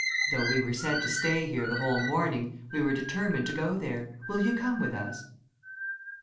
Though we were sent to stay here the whole morning, we were determined to go there; will you come with us?"